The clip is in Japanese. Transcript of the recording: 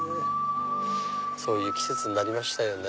そういう季節になりましたよね。